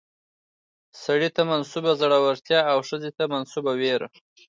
سړي ته منسوبه زړورتيا او ښځې ته منسوبه ويره